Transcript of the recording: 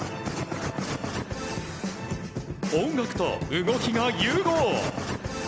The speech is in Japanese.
音楽と動きが融合。